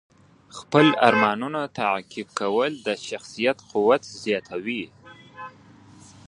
خپل ارمانونه تعقیب کول د شخصیت قوت زیاتوي.